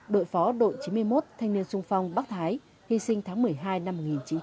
đội phó đội chín mươi một thanh niên sung phong bắc thái hy sinh tháng một mươi hai năm một nghìn chín trăm bảy mươi